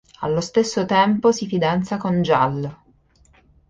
Allo stesso tempo si fidanza con Jal.